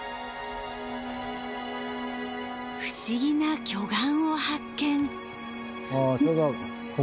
不思議な巨岩を発見。